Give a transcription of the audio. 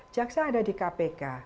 jaksa ada di kpk